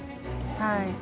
はい。